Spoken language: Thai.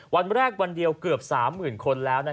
วันแรกวันเดียวเกือบ๓๐๐๐คนแล้ว